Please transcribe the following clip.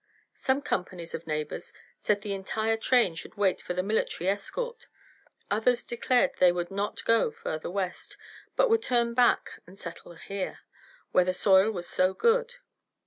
Some companies of neighbors said the entire train should wait for the military escort; others declared they would not go further west, but would turn back and settle here, where the soil was so good.